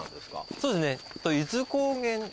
そうですね。